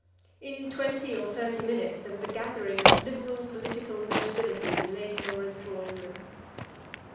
In twenty or thirty minutes there was a gathering of liberal political notabilities in Lady Laura's drawing room.